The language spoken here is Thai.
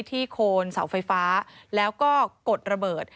โคนเสาไฟฟ้าแล้วก็กดระเบิด